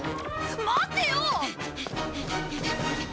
待ってよ！